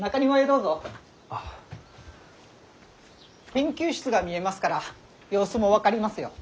研究室が見えますから様子も分かりますよ。